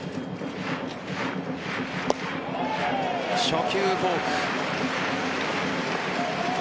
初球フォーク。